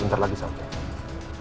bentar lagi salabi